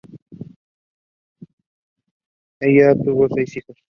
Ella tuvo siete hijos.